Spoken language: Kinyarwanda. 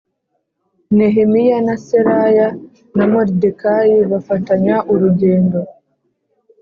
Nehemiya na Seraya na Moridekayi bafatanya urugendo